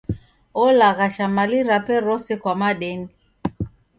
Olaghasha mali rape rose kwa madeni.